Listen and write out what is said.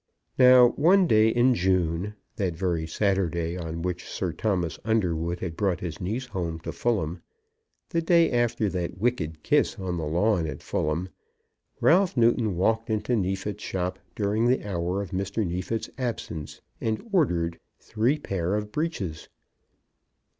Now, one day in June, that very Saturday on which Sir Thomas Underwood brought his niece home to Fulham, the day after that wicked kiss on the lawn at Fulham, Ralph Newton walked into Neefit's shop during the hour of Mr. Neefit's absence, and ordered, three pair of breeches.